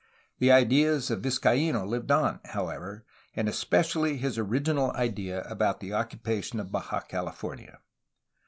The ideas of Vizcaino lived on, however, and especially his original idea about the occupation of Baja California.